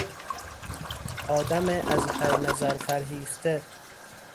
آدم از هر نظر فرهیخته